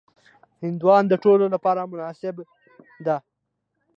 هندوانه د ټولو لپاره مناسبه ده.